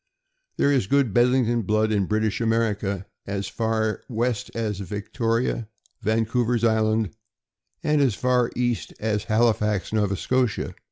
There is good Bedlington blood in British America, as far west as Victoria, Vancouver's Island, and as far east as Halifax, Nova Scotia.